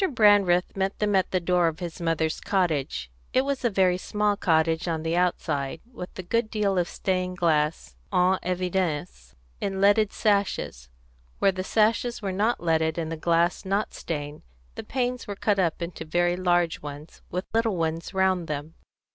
Brandreth met them at the door of his mother's cottage. It was a very small cottage on the outside, with a good deal of stained glass en évidence in leaded sashes; where the sashes were not leaded and the glass not stained, the panes were cut up into very large ones, with little ones round them.